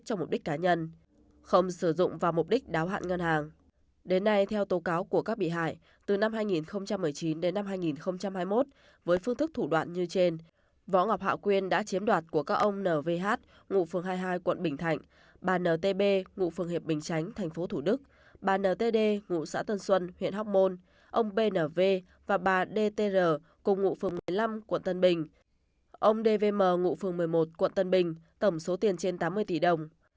ông dvm ngụ phường một mươi một quận tân bình tầm số tiền trên tám mươi tỷ đồng